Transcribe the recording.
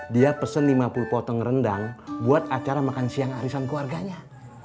dia pesen lima puluh potong rendang buat acara makan siang arisan keluarganya